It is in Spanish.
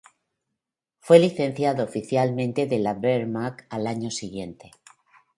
Fue licenciado oficialmente de la "Wehrmacht" al año siguiente.